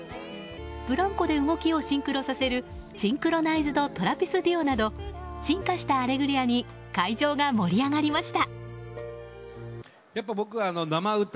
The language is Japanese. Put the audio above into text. ブランコで動きをシンクロさせるシンクロナイズド・トラピス・デュオなど進化した「アレグリア」に会場が盛り上がりました。